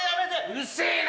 うるせえな！